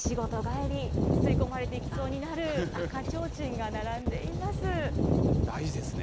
そして、上には仕事帰り、吸い込まれていきそうになる赤ちょうちんが並んでいます。